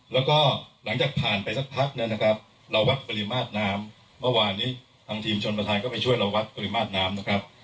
แล้วก็หลังจากผ่านไปสักพักเนี่ยนะครับเราวัดปริมาตรน้ำเมื่อวานนี้ทางทีมชนประธานก็ไปช่วยเราวัดปริมาณน้ำนะครับ